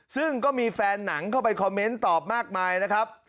ซึ่งก็มีแฟนหนังเข้าไปคอมเมนต์ตอบมากมายนะครับ